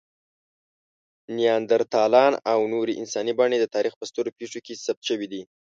نیاندرتالان او نورې انساني بڼې د تاریخ په سترو پېښو کې ثبت شوي دي.